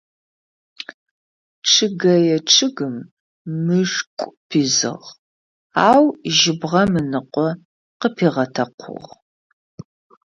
Чъыгэе чъыгым мышкӏу пизыгъ, ау жьыбгъэм ыныкъо къыпигъэтэкъугъ.